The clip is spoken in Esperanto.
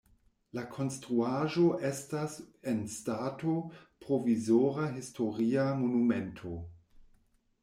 La konstruaĵo estas en stato provizora historia monumento.